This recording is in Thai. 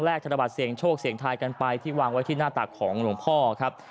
ธนบัตรเสียงโชคเสียงทายกันไปที่วางไว้ที่หน้าตักของหลวงพ่อครับ